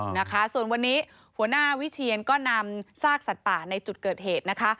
นะคะส่วนวันนี้หัวหน้าวิเชียนก็นำซากสัตว์ป่าในจุดเกิดเหตุนะคะ